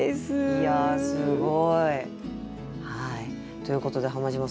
いやすごい。ということで浜島さん